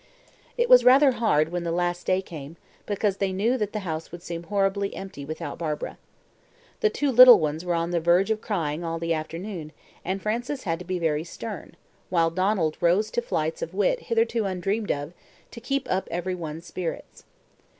It was rather hard when the last day came, because they knew that the house would seem horribly empty without Barbara. The two little ones were on the verge of crying all the afternoon, and Frances had to be very stern, while Donald rose to flights of wit hitherto undreamed of, to keep up every one's spirits.